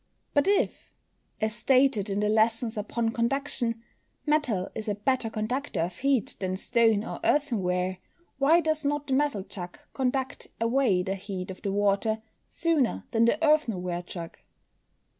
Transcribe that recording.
_But if (as stated in the Lessons upon Conduction) metal is a better conductor of heat than stone or earthenware, why does not the metal jug conduct away the heat of the water sooner than the earthenware jug?